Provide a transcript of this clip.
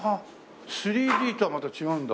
３Ｄとはまた違うんだ？